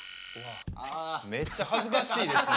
めっちゃ恥ずかしいですね。